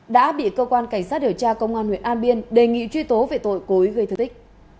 đã bị cơ quan cảnh sát điều tra công an huyện an biên đề nghị truy tố về tội cối gây thức tích